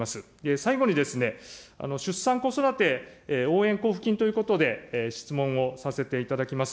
最後に、出産・子育て応援交付金ということで、質問をさせていただきます。